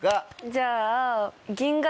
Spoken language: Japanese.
じゃあ。